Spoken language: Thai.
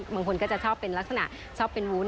บางคนก็จะชอบเป็นลักษณะชอบเป็นวุ้น